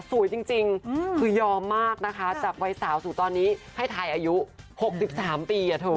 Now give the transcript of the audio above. สวยจริงคือยอมมากนะคะจากวัยสาวสูงตอนนี้ให้ไทยอายุ๖๓ปีอะเธอ